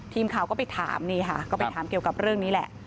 ทีมข่าวก็ไปถามนี่ค่ะก็ไปถามเกี่ยวกับเรื่องนี้แหละ